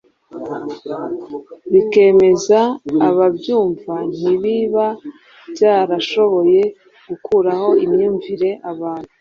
bikemeza ababyumva ntibiba byarashoboye gukuraho imyumvire abantu